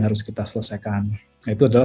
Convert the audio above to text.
harus kita selesaikan nah itu adalah